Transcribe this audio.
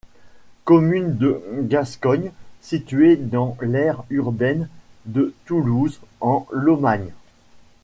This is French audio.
Commune de Gascogne située dans l'aire urbaine de Toulouse en Lomagne.